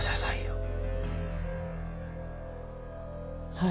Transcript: はい。